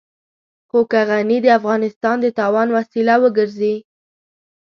خو که غني د افغانستان د تاوان وسيله وګرځي.